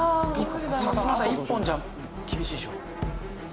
さすまた１本じゃ厳しいでしょ。